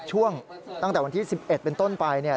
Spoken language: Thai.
ช่วงตั้งแต่วันที่๑๑เป็นต้นไปเนี่ย